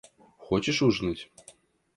Хочешь ужинать?